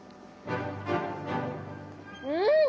うん！